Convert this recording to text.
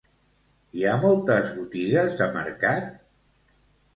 Hi ha moltes botigues de mercat?